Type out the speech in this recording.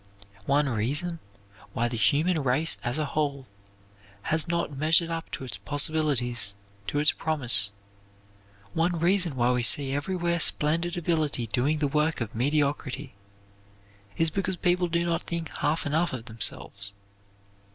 One reason why the human race as a whole has not measured up to its possibilities, to its promise; one reason why we see everywhere splendid ability doing the work of mediocrity; is because people do not think half enough of themselves.